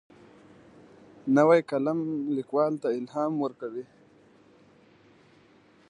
نوی قلم لیکوال ته الهام ورکوي